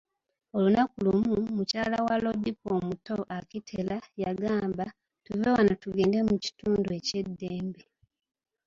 Olunaku lumu, mukyala wa Lodipo omuto, Akitela, yagamba, tuve wano tugende mu kitundu eky'eddembe.